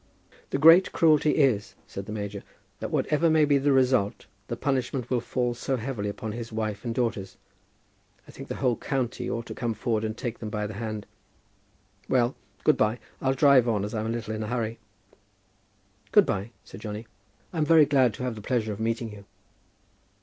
"The great cruelty is," said the major, "that whatever may be the result, the punishment will fall so heavily upon his wife and daughters. I think the whole county ought to come forward and take them by the hand. Well, good by. I'll drive on, as I'm a little in a hurry." "Good by," said Johnny. "I'm very glad to have had the pleasure of meeting you."